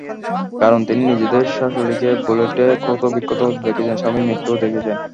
কারণ, তিনি নিজের শাশুড়িকে বুলেটে ক্ষতবিক্ষত হতে দেখেছেন, স্বামীর মৃত্যুও দেখেছেন।